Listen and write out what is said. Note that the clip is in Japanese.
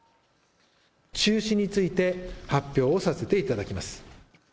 中止について発表させていただきます。